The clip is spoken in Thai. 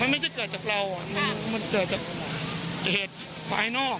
มันไม่ใช่เกิดจากเรามันเกิดจากเหตุภายนอก